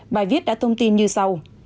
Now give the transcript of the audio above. bài viết đã thông tin như sau